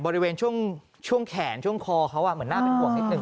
บริเวณช่วงแขนช่วงคอเขาเหมือนน่าเป็นห่วงนิดนึ